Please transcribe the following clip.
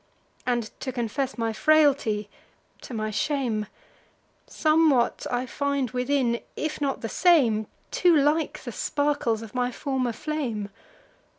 And, to confess my frailty, to my shame, Somewhat I find within, if not the same, Too like the sparkles of my former flame.